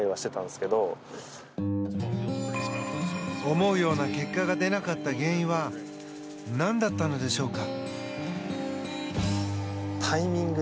思うような結果が出なかった原因は何だったのでしょうか。